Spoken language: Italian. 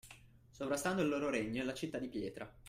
Sovrastando il loro regno e la città di pietra